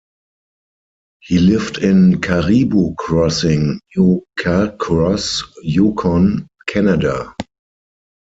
He lived in Caribou Crossing, now Carcross, Yukon, Canada.